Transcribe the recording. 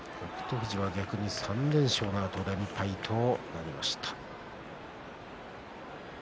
富士は逆に３連勝のあと連敗となりました。